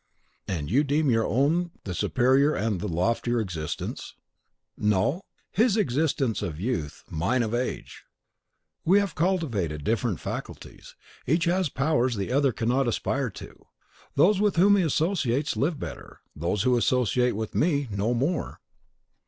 "And you deem your own the superior and the loftier existence?" "No. His is the existence of youth, mine of age. We have cultivated different faculties. Each has powers the other cannot aspire to. Those with whom he associates live better, those who associate with me know more."